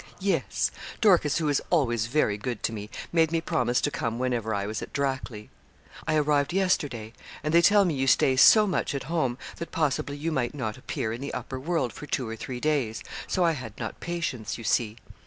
'Yes; Dorcas, who is always very good to me, made me promise to come whenever I was at Drackley. I arrived yesterday, and they tell me you stay so much at home, that possibly you might not appear in the upper world for two or three days; so I had not patience, you see.'